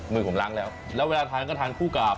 มือผมล้างแล้วแล้วเวลาทานก็ทานคู่กับ